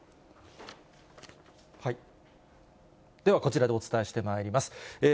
では、こちらでお伝えしてまいります。